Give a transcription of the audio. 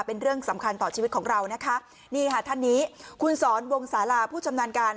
เป็นเรื่องสำคัญต่อชีวิตของเรานะคะนี่ค่ะท่านนี้คุณสอนวงศาลาผู้ชำนาญการ